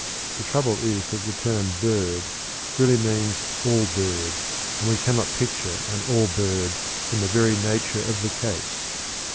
The trouble is that the term "bird" really means "all bird," and we cannot picture an "all bird" from the very nature of the case.